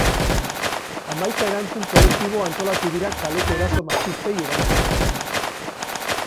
Hamaika erantzun kolektibo antolatu dira kaleko eraso matxistei erantzuteko.